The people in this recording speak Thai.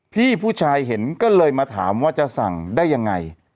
พี่ผู้ชายเห็นก็เลยมาถามว่าจะสั่งได้ยังไง